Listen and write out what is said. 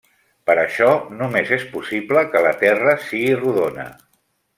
Per això, només és possible que la terra sigui rodona.